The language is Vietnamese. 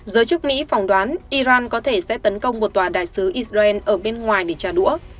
giới chức mỹ phỏng đoán iran có thể sẽ tấn công một tòa đại sứ israel ở bên ngoài để trả đũa